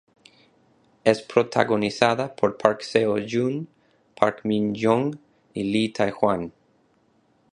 Es protagonizada por Park Seo-joon, Park Min-young y Lee Tae-hwan.